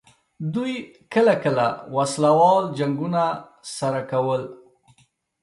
دوی کله کله وسله وال جنګونه سره کول.